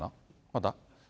まだ？